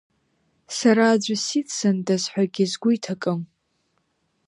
Сара аӡәы сиццандаз ҳәагьы сгәы иҭакым.